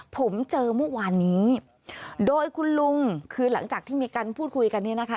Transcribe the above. ผมเจอเมื่อวานนี้โดยคุณลุงคือหลังจากที่มีการพูดคุยกันเนี่ยนะคะ